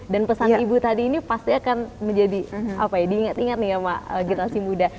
pesan ibu tadi ini pasti akan menjadi apa ya diingat ingat nih sama generasi muda